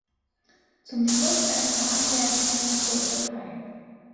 Zum Schluss ein paar Anmerkungen zur Türkei.